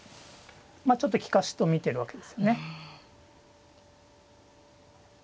まあちょっと利かしと見てるわけですね。